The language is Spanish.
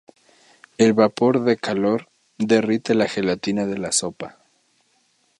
El vapor de calor derrite la gelatina de la sopa.